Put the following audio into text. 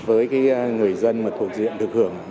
với người dân thuộc diện được hưởng